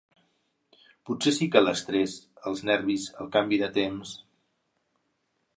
Potser sí que l'estrès, els nervis, el canvi de temps...